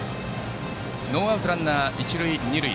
ノーアウトランナー、一塁二塁。